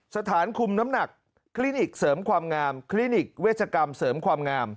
สถานคุมน้ำหนักคลินิกเสริมความงามคลินิกเวชกรรมเสริมความงาม